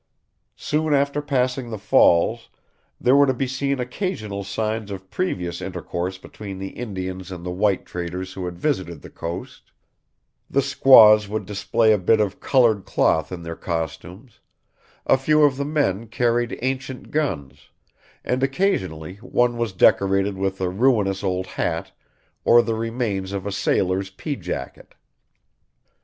Soon after passing the Falls, there were to be seen occasional signs of previous intercourse between the Indians and the white traders who had visited the coast, the squaws would display a bit of colored cloth in their costumes; a few of the men carried ancient guns, and occasionally one was decorated with a ruinous old hat or the remains of a sailor's pea jacket.